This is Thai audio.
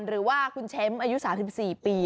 หรือว่าคุณแชมป์อายุ๓๔ปี